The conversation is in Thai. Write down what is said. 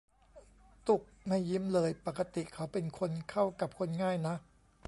ตุ้กไม่ยิ้มเลยปกติเขาเป็นคนเข้ากับคนง่ายนะ